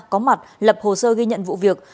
có mặt lập hồ sơ ghi nhận vụ việc